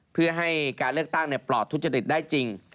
เพื่อให้การเลือกตั้งปลอดทุจริตได้จริง